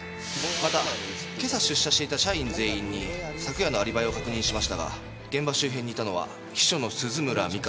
また今朝出社していた社員全員に昨夜のアリバイを確認しましたが現場周辺にいたのは秘書の鈴村美加１人だけ。